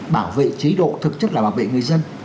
bảo vệ chế độ thực chất là bảo vệ người dân